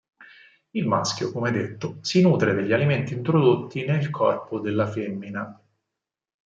Il maschio, come detto, si nutre degli alimenti introdotti nel corpo della femmina.